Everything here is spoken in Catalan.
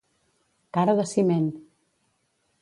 Cara de ciment.